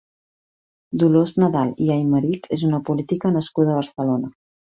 Dolors Nadal i Aymerich és una política nascuda a Barcelona.